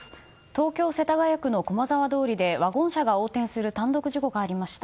東京・世田谷区の駒沢通りでワゴン車が横転する単独事故がありました。